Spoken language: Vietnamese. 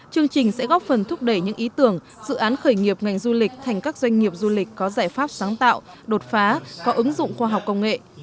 chương trình sẽ góp phần thúc đẩy những ý tưởng dự án khởi nghiệp ngành du lịch thành các doanh nghiệp du lịch có giải pháp sáng tạo đột phá có ứng dụng khoa học công nghệ